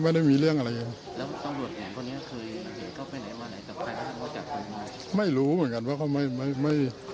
ไม่รู้เหมือนกันเพราะว่าเขาไม่